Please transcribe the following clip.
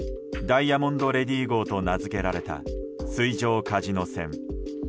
「ダイヤモンドレディ号」と名付けられた水上カジノ船。